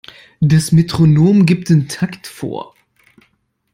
Das Metronom gibt den Takt vor.